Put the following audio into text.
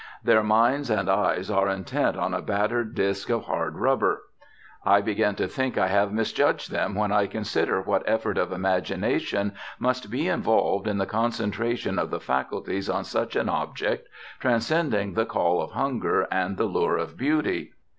Their minds and eyes are intent on a battered disk of hard rubber. I begin to think I have misjudged them when I consider what effort of imagination must be involved in the concentration of the faculties on such an object, transcending the call of hunger and the lure of beauty.